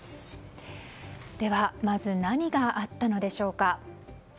ではまず何があったのでしょうか。